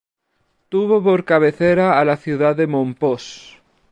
Tuvo por cabecera a la ciudad de Mompós.